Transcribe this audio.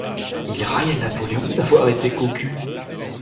Il raillait Napoléon d'avoir été cocu.